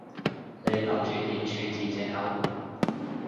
你諗住點處置隻狗？